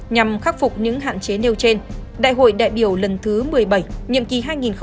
nhằm khắc phục những hạn chế nêu trên đại hội đại biểu lần thứ một mươi bảy nhiệm kỳ hai nghìn hai mươi hai nghìn hai mươi năm